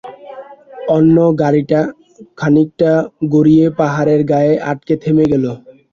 অন্য গাড়িটা খানিকটা গড়িয়ে পাহাড়ের গায়ে আটকে থেমে গেল।